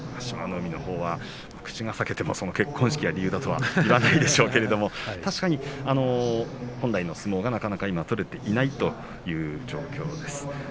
海のほうは口が裂けても結婚式が理由だとは言わないでしょうけれども確かに本来の相撲がなかなか取れていないという状況です。